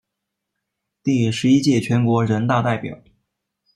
第十一届全国人大代表。